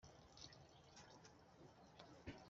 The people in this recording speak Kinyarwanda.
kaba ari akantu gato